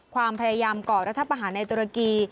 ความพยายามก่อรัฐประหารในตุรกี